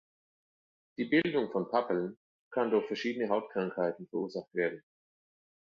Die Bildung von Papeln kann durch verschiedene Hautkrankheiten verursacht werden.